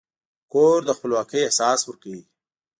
کور د خپلواکۍ احساس ورکوي.